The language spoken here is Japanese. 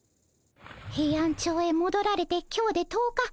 ヘイアンチョウへもどられて今日で１０日。